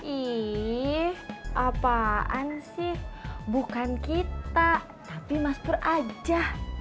ih apaan sih bukan kita tapi mas pur aja